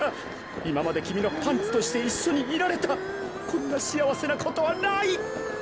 いままできみのパンツとしていっしょにいられたこんなしあわせなことはない！